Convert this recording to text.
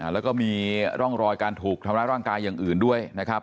แล้วก็มีร่องรอยการถูกทำร้ายร่างกายอย่างอื่นด้วยนะครับ